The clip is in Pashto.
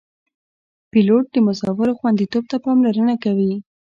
پیلوټ د مسافرو خوندیتوب ته پاملرنه کوي.